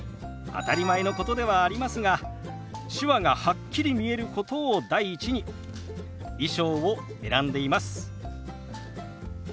当たり前のことではありますが手話がはっきり見えることを第一に衣装を選んでいます。